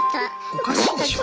おかしいでしょ。